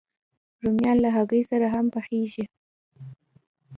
رومیان له هګۍ سره هم پخېږي